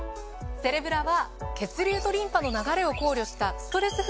セレブラは血流とリンパの流れを考慮したストレス